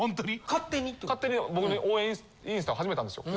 勝手に僕の応援インスタ始めたんですよ。